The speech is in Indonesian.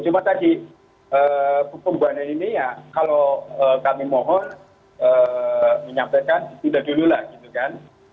cuma tadi perubahan ini ya kalau kami mohon menyampaikan tidak dulu lah gitu kan